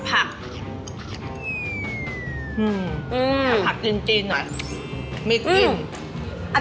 ถ้าผักจริงหน่อยมีกิน